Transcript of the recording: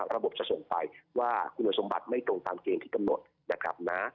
ระบบจะส่งไปว่าคุณสมบัติไม่ตรงตามเกณฑ์ที่กำหนดนะครับนะ